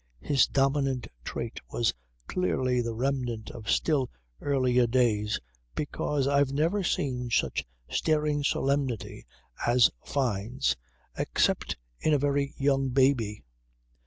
His dominant trait was clearly the remnant of still earlier days, because I've never seen such staring solemnity as Fyne's except in a very young baby.